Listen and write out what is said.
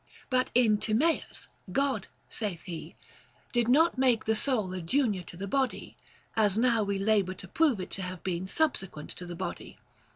But in Timaeus, " God," saith he, " did not make the soul a junior to the body, as now we labor to prove it to have been subsequent to the body.